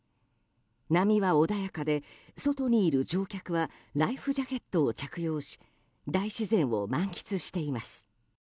波は穏やかで、外にいる乗客はライフジャケットを着用し大自然を満喫しています。